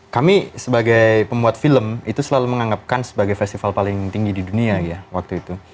kami sebagai pembuat film itu selalu menganggapkan sebagai festival paling tinggi di dunia ya waktu itu